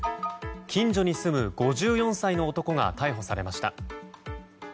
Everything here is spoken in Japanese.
近所に住む５４歳の男が逮捕されました。